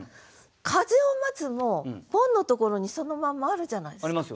「風を待つ」もボンのところにそのまんまあるじゃないですか。